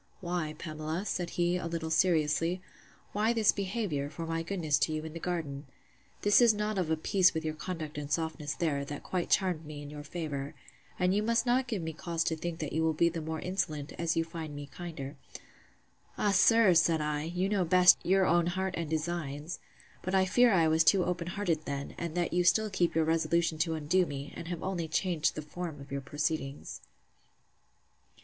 Why, Pamela, said he, a little seriously, why this behaviour, for my goodness to you in the garden?—This is not of a piece with your conduct and softness there, that quite charmed me in your favour: And you must not give me cause to think that you will be the more insolent, as you find me kinder. Ah! sir, said I, you know best your own heart and designs! But I fear I was too open hearted then; and that you still keep your resolution to undo me, and have only changed the form of your proceedings.